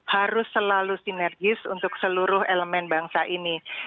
harus selalu sinergis untuk seluruh elemen bangsa ini